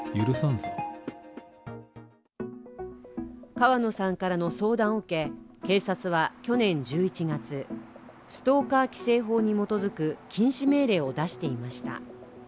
川野さんからの相談を受け警察は去年１１月、ストーカー規制法に基づく禁止命令を出していました。